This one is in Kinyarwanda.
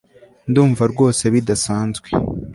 Ndumva rwose bidasanzwe